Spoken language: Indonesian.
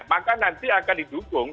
maka nanti akan didukung